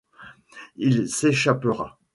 Il s'échappera.